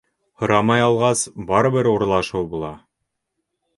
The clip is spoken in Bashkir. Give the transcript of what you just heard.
— Һорамай алғас, барыбер урлашыу була.